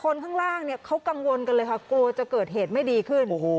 ข้างล่างเนี่ยเขากังวลกันเลยค่ะกลัวจะเกิดเหตุไม่ดีขึ้น